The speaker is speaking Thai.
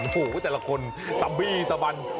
โหแต่ละคนตำบีตำบัน